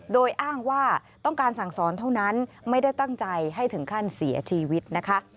โดยอ้างว่าต้องการสั่งสอนเท่านั้นไม่ได้ตั้งใจให้ถึงขั้นเสียชีวิตนะคะ